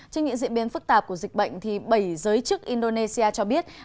trên những diễn biến phức tạp của dịch bệnh bảy giới chức indonesia cho biết